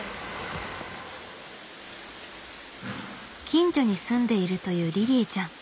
近所に住んでいるというりりぃちゃん。